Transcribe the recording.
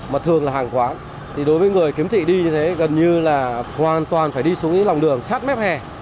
đường là hàng quán thì đối với người khiếm thị đi như thế gần như là hoàn toàn phải đi xuống những lòng đường sát mép hè